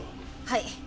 はい。